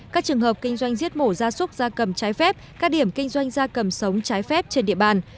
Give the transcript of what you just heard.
các trường hợp kinh doanh giết mổ gia súc gia cầm trái phép các điểm kinh doanh gia cầm sống trái phép trên địa bàn